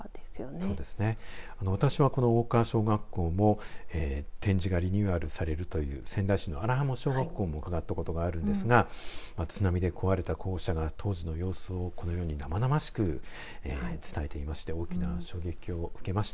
そうですね、私は大川小学校も展示がリニューアルされるという仙台市の荒浜小学校も伺ったことがあるんですが津波で壊れた校舎が当時の様子をこのように生々しく伝えていまして大きな衝撃を受けました。